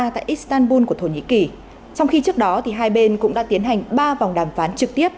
tại istanbul của thổ nhĩ kỳ trong khi trước đó hai bên cũng đã tiến hành ba vòng đàm phán trực tiếp